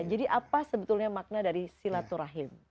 jadi apa sebetulnya makna dari silaturahim